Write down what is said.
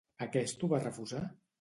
Aquest ho va refusar?